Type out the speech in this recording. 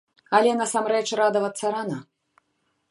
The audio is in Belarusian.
Але насамрэч радавацца рана.